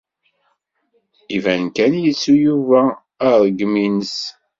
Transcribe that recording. Iban kan yettu Yuba aṛeggem-ines.